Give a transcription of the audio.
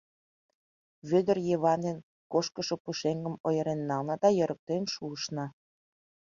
Вӧдыр Йыван дене кошкышо пушеҥгым ойырен нална да йӧрыктен шуышна.